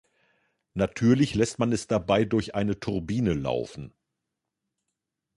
Natürlich lässt man es dabei durch eine Turbine laufen.